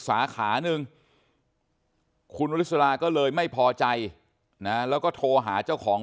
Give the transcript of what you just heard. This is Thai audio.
สาขาหนึ่งคุณวริสราก็เลยไม่พอใจนะแล้วก็โทรหาเจ้าของ